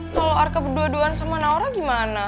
kalau arke berdua duaan sama naura gimana